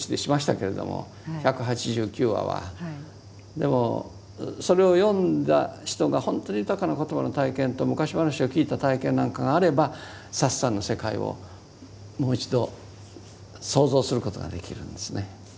でもそれを読んだ人がほんとに豊かな言葉の体験と昔話を聞いた体験なんかがあればサツさんの世界をもう一度創造することができるんですね。